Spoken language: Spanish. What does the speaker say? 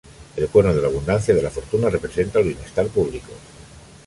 El cuerno de la abundancia de la fortuna representa el bienestar público.